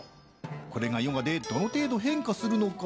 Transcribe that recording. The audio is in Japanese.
これがヨガでどの程度、変化するのか。